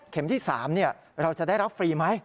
ที่๓เราจะได้รับฟรีไหม